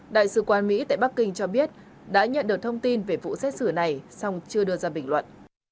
đại sứ quán mỹ tại bắc kinh cho biết đã nhận được thông tin về vụ xét xử này song chưa đưa ra bình luận